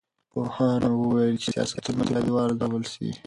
پوهانو وویل چې سیاستونه باید وارزول سي.